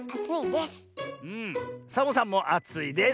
サボさんもあついです。